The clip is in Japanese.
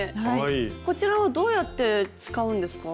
こちらはどうやって使うんですか？